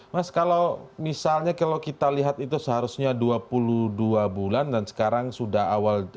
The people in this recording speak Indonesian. mas kalau misalnya kalau kita lihat itu seharusnya dua puluh dua bulan dan sekarang sudah awal